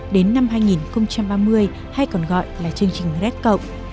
đến năm hai nghìn ba mươi hay còn gọi là chương trình red cộng